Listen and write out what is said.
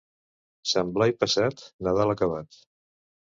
Sant Blai passat, Nadal acabat.